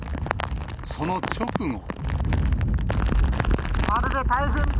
その直後。